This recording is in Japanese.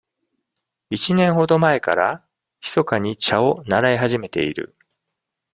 一年ほど前からひそかに茶を習い始めている。